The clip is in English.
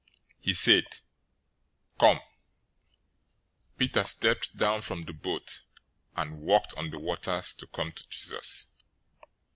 014:029 He said, "Come!" Peter stepped down from the boat, and walked on the waters to come to Jesus.